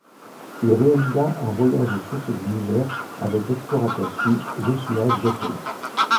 Il réalisa un voyage aux sources du Niger avec l'explorateur suisse Josua Zweifel.